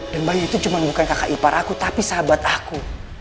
dan bayu itu cuma bukan kakak ipar aku tapi sahabat aku